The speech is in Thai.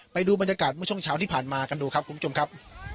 ไปดูบรรยากาศเมื่อช่วงเช้าที่ผ่านมากันดูครับคุณผู้ชมครับ